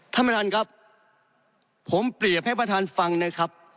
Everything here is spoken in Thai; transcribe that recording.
ท่านประธานครับผมเปรียบให้ประธานฟังนะครับ